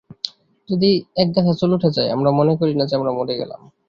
যদি একগাছা চুল উঠে যায়, আমরা মনে করি না যে আমরা মরে গেলাম।